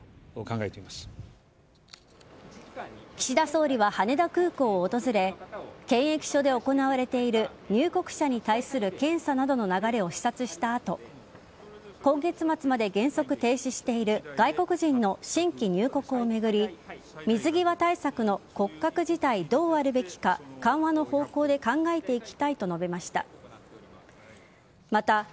岸田総理は羽田空港を訪れ検疫所で行われている入国者に対する検査などの流れを視察した後今月末まで原則停止している外国人の新規入国を巡り水際対策の骨格自体どうあるべきか緩和の方向で考えていきたいと述べました。